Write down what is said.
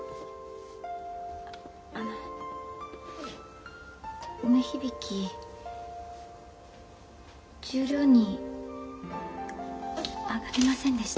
あの梅響十両に上がれませんでした。